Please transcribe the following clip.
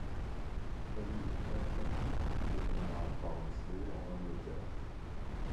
Hollie Naughton est née à Barnsley en Angleterre.